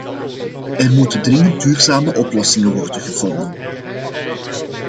Er moeten dringend duurzame oplossingen worden gevonden.